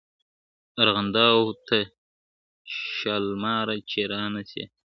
ارغنداو ته شالماره چي رانه سې ,